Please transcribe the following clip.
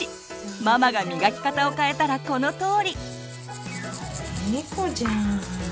ママがみがき方を変えたらこのとおり。